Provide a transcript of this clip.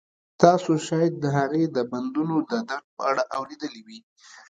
تاسو شاید د هغې د بندونو د درد په اړه اوریدلي وي